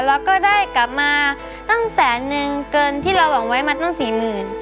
แล้วก็ได้กลับมาตั้งแสนนึงเกินที่เราหวังไว้มาตั้งสี่หมื่น